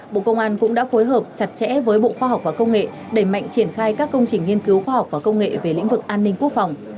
bộ công an cũng đã phối hợp chặt chẽ với bộ khoa học và công nghệ đẩy mạnh triển khai các công trình nghiên cứu khoa học và công nghệ về lĩnh vực an ninh quốc phòng